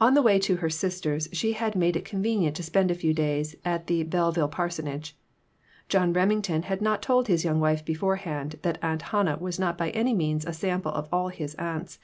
On the way to her sister's she had made it convenient to spend a few days at the Belleville parsonage. John Remington had not told his young wife beforehand that Aunt Hannah was not by any means a sample of all his aunts.